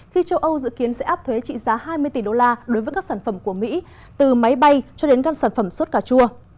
khi châu âu dự kiến sẽ áp thuế trị giá hai mươi tỷ đô la đối với các sản phẩm của mỹ từ máy bay cho đến các sản phẩm sốt cà chua